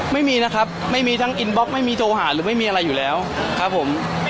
ไม่มีนะครับไม่มีทั้งอินบล็อกไม่มีโทรหาหรือไม่มีอะไรอยู่แล้วครับผม